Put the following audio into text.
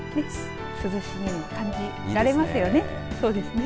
涼しげに感じられますよね。